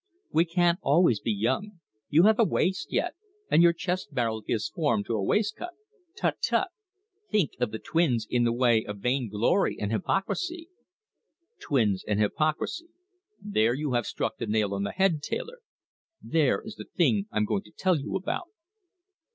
"We can't always be young. You have a waist yet, and your chest barrel gives form to a waistcoat. Tut, tut! Think of the twins in the way of vainglory and hypocrisy." "'Twins' and 'hypocrisy'; there you have struck the nail on the head, tailor. There is the thing I'm going to tell you about."